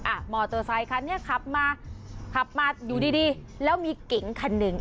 มอเตอร์ไซคันนี้ขับมาขับมาอยู่ดีดีแล้วมีเก๋งคันหนึ่ง